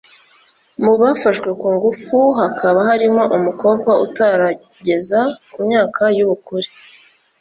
mu bafashwe ku ngufu hakaba harimo umukobwa utarageza ku myaka y’ ubukure